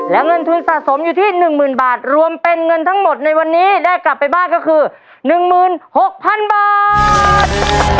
และเงินทุนสะสมอยู่ที่๑๐๐๐บาทรวมเป็นเงินทั้งหมดในวันนี้ได้กลับไปบ้านก็คือ๑๖๐๐๐บาท